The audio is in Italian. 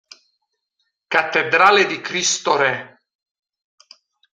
Cattedrale di Cristo Re